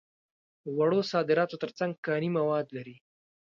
وړو صادراتو تر څنګ کاني مواد لري.